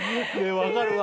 分かるわ。